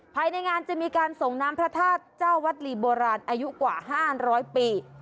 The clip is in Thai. ภายในงานจะมีการส่งน้ำพระธาตุเจ้าวัดลีโบราณอายุกว่า๕๐๐ปี